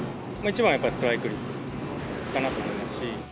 一番はやっぱりストライク率かなと思いますし。